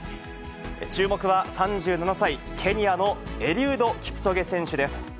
注目は３７歳、ケニアのエリウド・キプチョゲ選手です。